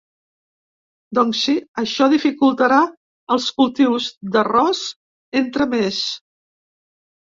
Doncs sí, això dificultarà els cultius d’arròs, entre més.